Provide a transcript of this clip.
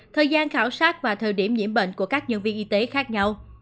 thời gian khảo sát và thời điểm nhiễm bệnh của các nhân viên y tế khác nhau